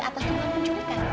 atau kamu menculikan